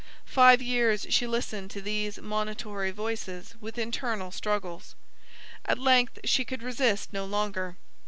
Five years she listened to these monitory voices with internal struggles. At length she could resist no longer.